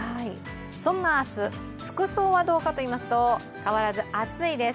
そんな明日、服装はどうかといいますと、変わらず暑いです。